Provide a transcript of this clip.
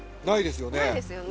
ないですよね。